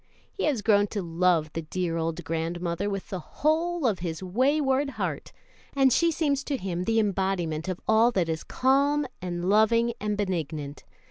He has grown to love the dear old grandmother with the whole of his wayward heart, and she seems to him the embodiment of all that is calm and loving and benignant.